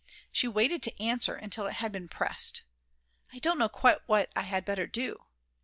She waited to answer until it had been pressed. I don't know quite what I had better do.